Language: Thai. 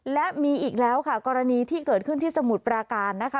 และมีอีกแล้วค่ะกรณีที่เกิดขึ้นที่สมุทรปราการนะคะ